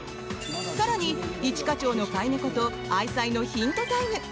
更に、一課長の飼い猫と愛妻のヒントタイム。